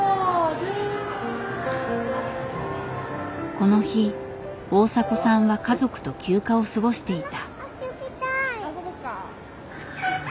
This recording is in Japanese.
この日大迫さんは家族と休暇を過ごしていた。